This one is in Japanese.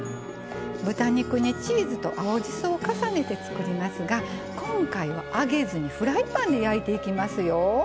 豚肉にチーズと青じそを重ねて作りますが今回は揚げずにフライパンで焼いていきますよ。